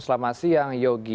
selamat siang yogi